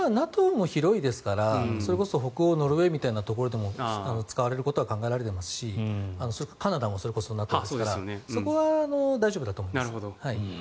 ＮＡＴＯも広いですからそれこそ北欧のノルウェーとかでも使われることは考えられていますしカナダもＮＡＴＯですからそこは大丈夫だと思います。